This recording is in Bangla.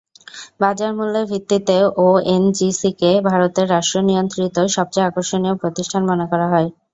বাজারমূল্যের ভিত্তিতে ওএনজিসিকে ভারতের রাষ্ট্রনিয়ন্ত্রিত সবচেয়ে আকর্ষণীয় প্রতিষ্ঠান মনে করা হয়।